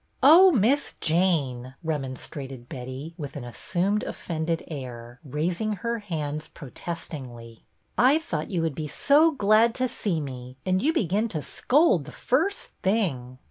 "Oh, Miss Jane," remonstrated Betty, with an assumed offended air, raising her hands protestingly. " I thought you would be so i6o BETTY BAIRD glad to see me, and you begin to scold the first thing."